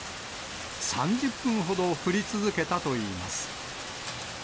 ３０分ほど降り続けたといいます。